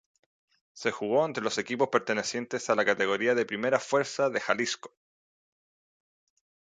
Se jugó entre los equipos pertenecientes a la categoría de Primera Fuerza de Jalisco.